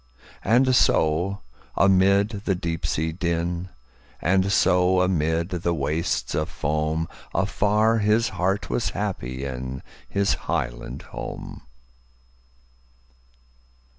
And so amid the deep sea din, And so amid the wastes of foam, Afar his heart was happy inHis highland home!